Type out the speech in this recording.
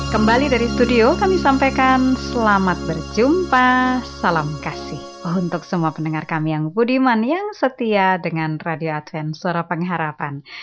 kembali dari studio kami sampaikan selamat berjumpa salam kasih untuk semua pendengar kami yang budiman yang setia dengan radio advent suara pengharapan